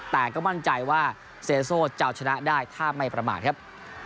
แต่ก็มั่นใจว่าเซโซ่จะเอาชนะได้ถ้าไม่ประมาทครับ